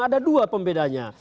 ada dua pembedanya